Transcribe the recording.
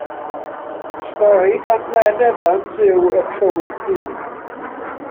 Stori gan Len Evans yw Y Trywydd Du.